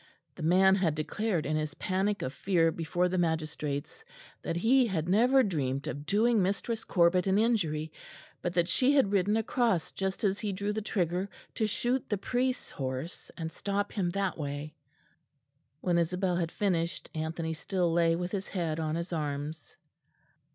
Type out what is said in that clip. The man had declared in his panic of fear before the magistrates that he had never dreamt of doing Mistress Corbet an injury, but that she had ridden across just as he drew the trigger to shoot the priest's horse and stop him that way. When Isabel had finished Anthony still lay with his head on his arms.